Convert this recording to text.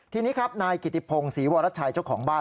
ทีนี้ครับนายกิติพงศรีวรชัยเจ้าของบ้าน